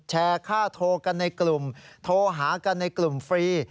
แชร์ค่าโทรกันในกลุ่มโทรหากันในกลุ่มฟรี